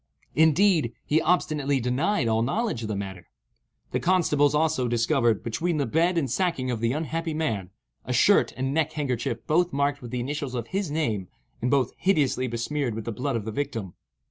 Indeed, he obstinately denied all knowledge of the matter. The constables, also, discovered, between the bed and sacking of the unhappy man, a shirt and neck handkerchief both marked with the initials of his name, and both hideously besmeared with the blood of the victim.